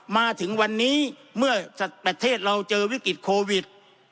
มาถึงวันนี้เมื่อประเทศเราเจอวิกฤตโควิด